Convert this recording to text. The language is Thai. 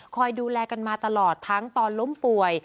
ดูแลกันมาตลอดทั้งตอนล้มป่วย